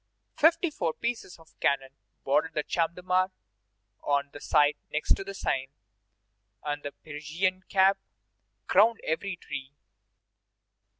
Fifty four pieces of cannon bordered the Champ de Mars on the side next the Seine, and the Phrygian cap crowned every tree.